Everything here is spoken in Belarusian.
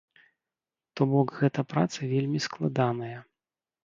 То бок гэта праца вельмі складаная.